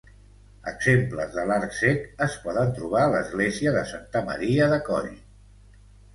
Exemples de l'arc cec es poden trobar a l'església de Santa Maria de Cóll.